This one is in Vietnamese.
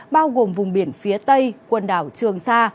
bao gồm vùng biển phía tây quần đảo trường sa